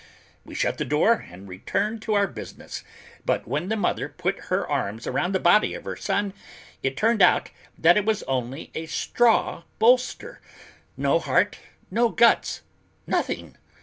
We shut the door and returned to our business, but when the mother put her arms around the body of her son, it turned out that it was only a straw bolster, no heart, no guts, nothing!